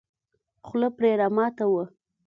خوله پرې راماته وه.